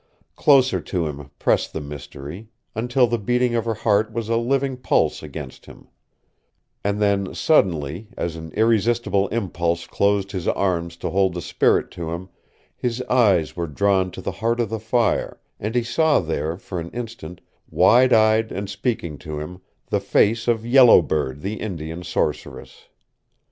Closer to him pressed the mystery, until the beating of her heart was a living pulse against him; and then suddenly, as an irresistible impulse closed his arms to hold the spirit to him, his eyes were drawn to the heart of the fire, and he saw there for an instant, wide eyed and speaking to him, the face of Yellow Bird the Indian sorceress.